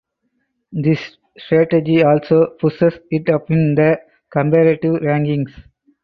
This strategy also pushes it up in the comparative rankings.